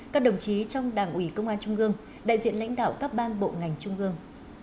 các đồng chí trong đảng ủy công an trung ương đại diện lãnh đạo các ban bộ ngành trung ương